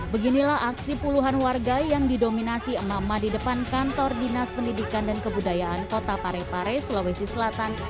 beginilah aksi puluhan warga yang didominasi emak emak di depan kantor dinas pendidikan dan kebudayaan kota parepare sulawesi selatan